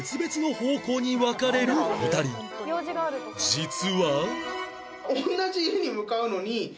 実は